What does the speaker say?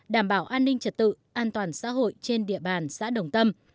đảm bảo an ninh trật tự an toàn xã hội trên địa bàn xã đồng tâm